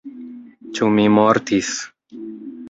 Ĉu mi mortis?